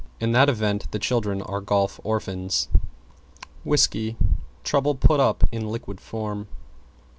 In that event the children are golf orphans. =WHISKY= Trouble put up in liquid form.